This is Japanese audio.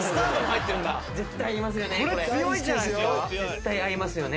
絶対いきますよね